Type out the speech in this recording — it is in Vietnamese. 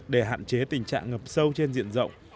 để hạn chế tình trạng ngập sâu trên diện rộng